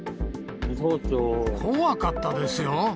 怖かったですよ。